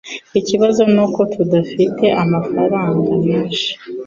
Ikibazo nuko tudafite amafaranga menshi. (wma)